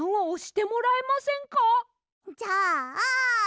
じゃあ。